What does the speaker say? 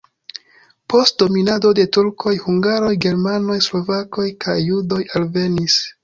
Post dominado de turkoj hungaroj, germanoj, slovakoj kaj judoj alvenis.